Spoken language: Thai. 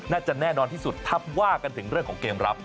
น่าจะแน่นอนที่สุดถ้าว่ากันถึงเรื่องของเกมรับ